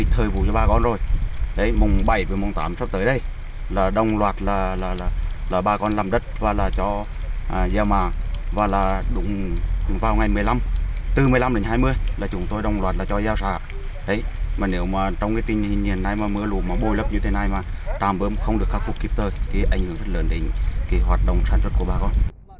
trạm bơm không được khắc phục kịp tới thì ảnh hưởng rất lớn đến hoạt động sản xuất của bà con